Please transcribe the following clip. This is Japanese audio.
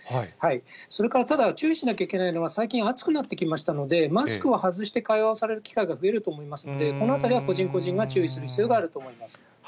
それからただ、注意しなきゃいけないのは、最近、暑くなってきましたので、マスクを外して会話をされる機会が増えると思いますので、このあたりは個人個人が注意する必要があると思います。